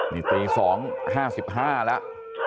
นี่ตี๒๕๕แล้ว